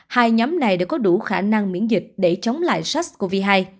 hai nhóm này đều có đủ khả năng miễn dịch để chống lại sars cov hai